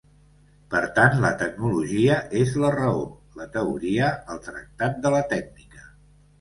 Per tant, la tecnologia és la raó, la teoria, el tractat de la tècnica.